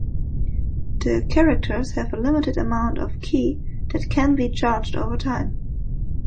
The characters have a limited amount of ki that can be charged over time.